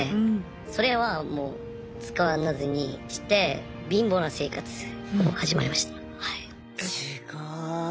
それはもう使わずにして貧乏な生活を始まりました。